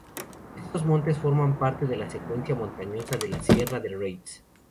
Estos montes forman parte de la secuencia montañosa de la Sierra de Rates.